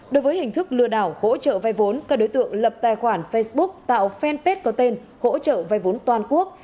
đối với hình thức lừa đảo hỗ trợ vay vốn các đối tượng lập tài khoản facebook tạo fanpage có tên hỗ trợ vay vốn toàn quốc